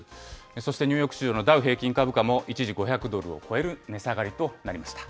そしてニューヨーク市場のダウ平均株価も一時５００ドルを超える値下がりとなりました。